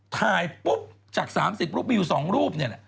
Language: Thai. ถ่ายปุ๊บจาก๓๐รูปมีอยู่๒รูปนี่